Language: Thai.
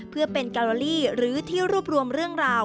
เพื่อเป็นการโลลี่หรือที่รวบรวมเรื่องราว